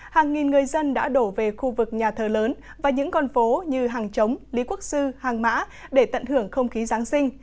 hàng nghìn người dân đã đổ về khu vực nhà thờ lớn và những con phố như hàng chống lý quốc sư hàng mã để tận hưởng không khí giáng sinh